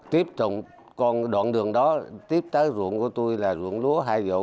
tiếp trong con đoạn đường đó tiếp tới ruộng của tôi là ruộng lúa hai vụ